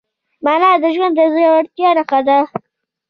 مانا د ژوند د ژورتیا نښه ده.